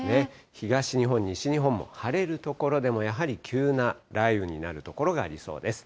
東日本、西日本も晴れる所でも、やはり急な雷雨になる所がありそうです。